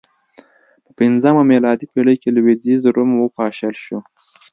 په پنځمه میلادي پېړۍ کې لوېدیځ روم وپاشل شو